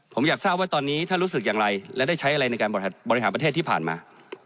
ผมอยากทราบว่าตอนนี้ท่านรู้สึกอย่างไรและได้ใช้อะไรในการบริหารประเทศที่ผ่านมา